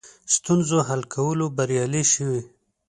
ستونزو حل کولو بریالي شوي.